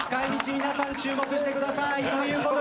皆さん、注目してください。